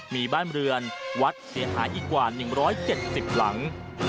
มีบ้านเรือนวัดเสียหายอีกกว่า๑๗๐หลัง